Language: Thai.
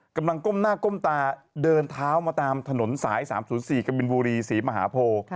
ก้มหน้าก้มตาเดินเท้ามาตามถนนสาย๓๐๔กบินบุรีศรีมหาโพ